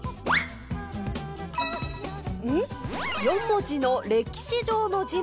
４文字の歴史上の人物。